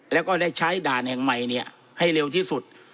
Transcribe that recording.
แล้วก็ได้ใช้ด่านแห่งใหม่ให้เร็วที่สุด